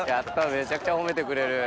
めちゃくちゃ褒めてくれる。